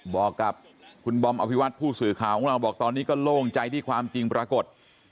บอกกับคุณบอมอภิวัตผู้สื่อข่าวของเราบอกตอนนี้ก็โล่งใจที่ความจริงปรากฏ